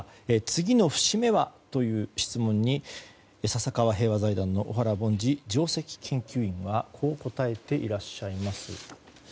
次の節目は？という質問に笹川平和財団の小原凡司上席研究員はこう答えていらっしゃいます。